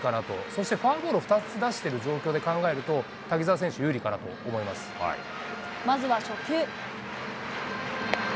そしてフォアボール出してる状況で考えると、滝澤選手有利かなとまずは初球。